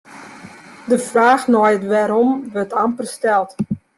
De fraach nei it wêrom wurdt amper steld.